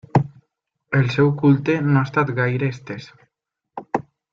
El seu culte no ha estat gaire estès.